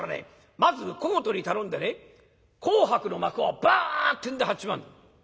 まず戸ごとに頼んでね紅白の幕をバッてんで張っちまうんだ」。